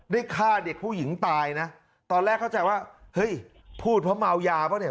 ฆ่าเด็กผู้หญิงตายนะตอนแรกเข้าใจว่าเฮ้ยพูดเพราะเมายาป่ะเนี่ย